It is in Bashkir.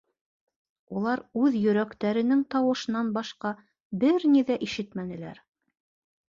Улар үҙ йөрәктәренең тауышынан башҡа бер ни ҙә ишетмәнеләр.